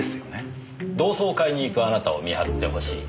同窓会に行くあなたを見張ってほしい。